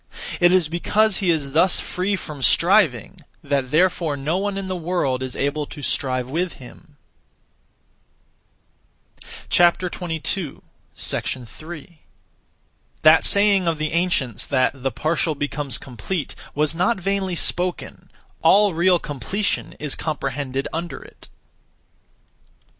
It is because he is thus free from striving that therefore no one in the world is able to strive with him. 3. That saying of the ancients that 'the partial becomes complete' was not vainly spoken: all real completion is comprehended under it.